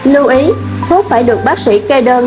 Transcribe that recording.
lưu ý thuốc phải được bác sĩ kê đơn